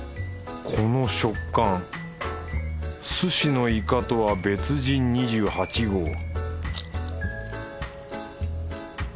この食感すしのいかとは別人２８号